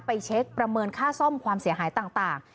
ไปเช็คประเมินค่าซ่อมความเสียหายต่าง